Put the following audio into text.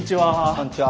こんにちは。